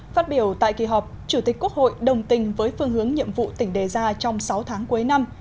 phát biểu tại kỳ họp chủ tịch quốc hội đồng tình với phương hướng nhiệm vụ tỉnh đề ra trong sáu tháng cuối năm